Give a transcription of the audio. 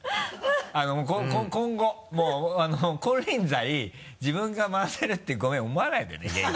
もう今後もう金輪際自分が回せるってごめん思わないでね芸人。